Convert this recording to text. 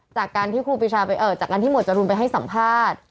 จากการที่หมวดจรูนไปให้สัมภาษณ์